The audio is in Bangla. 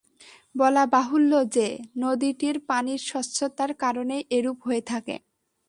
বলা বাহুল্য যে, নদীটির পানির স্বচ্ছতার কারণেই এরূপ হয়ে থাকে।